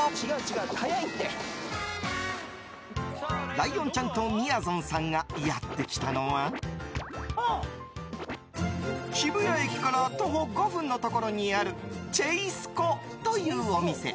ライオンちゃんとみやぞんさんがやってきたのは渋谷駅から徒歩５分のところにあるＣＨＡＳＥＣＯというお店。